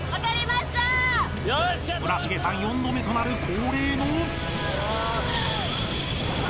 ［村重さん４度目となる恒例の］